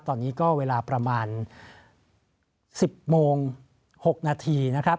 ตอนนี้ก็เวลาประมาณ๑๐โมง๖นาทีนะครับ